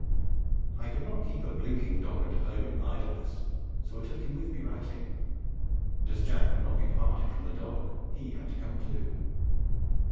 I could not keep a blinking dog at home in idleness, so I took him with me ratting, and as Jack would not be parted from the dog, he had to come too.